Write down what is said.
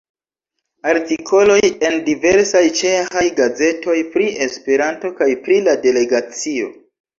Artikoloj en diversaj ĉeĥaj gazetoj pri Esperanto kaj pri la Delegacio.